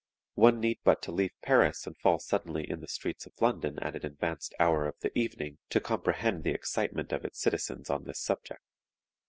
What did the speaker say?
One need but to leave Paris and fall suddenly in the streets of London at an advanced hour of the evening to comprehend the excitement of its citizens on this subject.